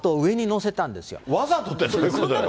わざとってどういうこと？